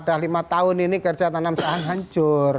dah lima tahun ini kerja tanam sahang hancur